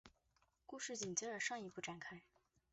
故事紧接着上一部展开。